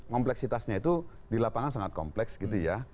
kompleksitasnya itu di lapangan sangat kompleks gitu ya